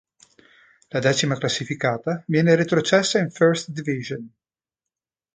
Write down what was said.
La decima classificata viene retrocessa in First Division.